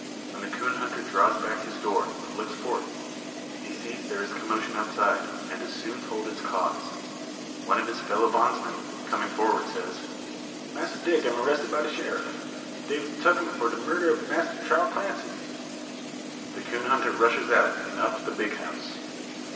When the coon hunter draws back his door, and looks forth, he sees there is commotion outside; and is soon told its cause. One of his fellow bondsmen, coming forward, says: "Massr Dick am arrested by de sheriff. Dey've tuk 'im for de murder ob Massr Charl Clancy." The coon hunter rushes out, and up to the big house.